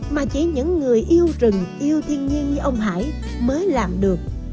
mà chỉ những người yêu rừng yêu thiên nhiên như ông hải mới làm được